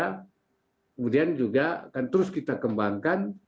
kemudian juga akan terus kita kembangkan